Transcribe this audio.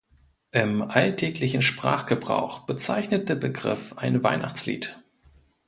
Im alltäglichen Sprachgebrauch bezeichnet der Begriff ein Weihnachtslied.